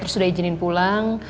terus sudah izinin pulang